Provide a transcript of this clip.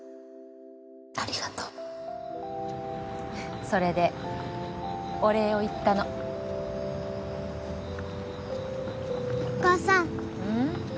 ありがとうそれでお礼を言ったのお母さんうん？